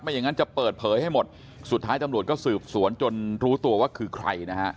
อย่างนั้นจะเปิดเผยให้หมดสุดท้ายตำรวจก็สืบสวนจนรู้ตัวว่าคือใครนะฮะ